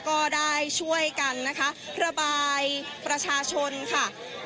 ก็ได้ช่วยกันนะคะระบายประชาชนค่ะ